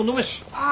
ああ！